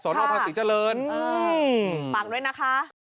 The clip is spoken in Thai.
สนองภาษีเจริญอืมปากด้วยนะคะ